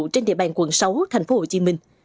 trên địa bàn quận sáu thành phố hồ chí minh